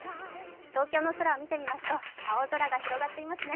東京の空を見てみますと、青空が広がっていますね。